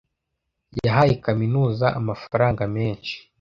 yahaye kaminuza amafaranga menshi.